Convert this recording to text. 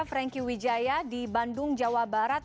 franky wijaya di bandung jawa barat